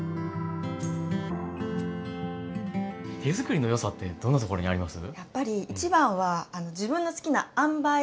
手づくりの良さってどんなところにあります？